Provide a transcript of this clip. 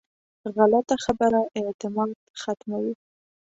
غلطه خبره اعتماد ختموي